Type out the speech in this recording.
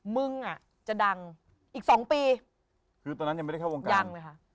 มึงอ่ะจะดังอีกสองปีคือตอนนั้นยังไม่ได้เข้าวงการดังเลยค่ะ